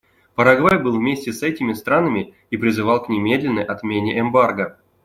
Парагвай был вместе с этими странами и призывал к немедленной отмене эмбарго.